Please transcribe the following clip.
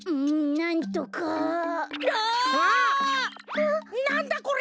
なんだこれ？